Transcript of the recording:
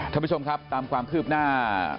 ท่านผู้ชมครับตามความคืบหน้า